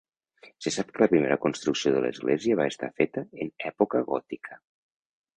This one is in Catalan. Se sap que la primera construcció de l'església va estar feta en època gòtica.